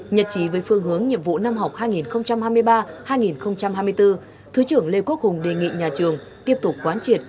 nhật trí với phương hướng nhiệm vụ năm học hai nghìn hai mươi ba hai nghìn hai mươi bốn thứ trưởng lê quốc hùng đề nghị nhà trường tiếp tục quán triệt